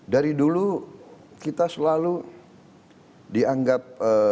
dari dulu kita selalu dianggap